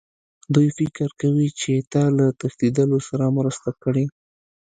دوی فکر کوي چې تا له تښتېدلو سره مرسته کړې